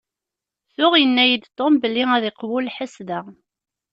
Tuɣ yenna-yi-d Tom belli ad iqewwu lḥess da.